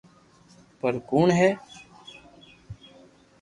پر ڪوڻ ھي